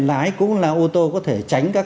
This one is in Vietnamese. lái cũng là ô tô có thể tránh các